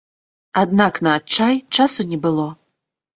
Аднак на адчай часу не было.